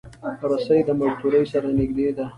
رسۍ د مزدور سره نږدې ده.